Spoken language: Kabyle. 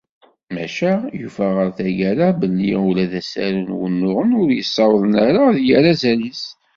Maca yufa ɣer tagara belli ula d asaru n wunuɣen ur yessawaḍ ara ad d-yerr azal-is;